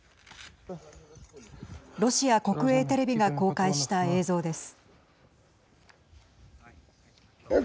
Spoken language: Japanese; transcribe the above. ロシア国営テレビが公開した映像です。